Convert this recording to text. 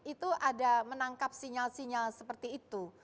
itu ada menangkap sinyal sinyal seperti itu